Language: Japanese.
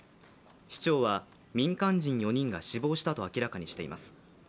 市長は、民間人４人が死亡したと明らかにしています。